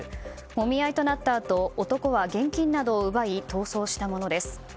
もみ合いとなったあと男は現金などを奪い逃走したものです。